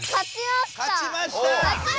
勝ちました！